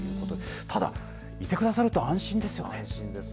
ただ、いてくださると安心ですよね。